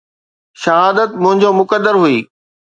شهادت منهنجو مقدر هئي